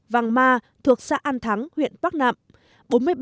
vàng ma thuộc xã an thắng huyện bắc nậm